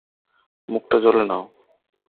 মুখটা জলে নাও।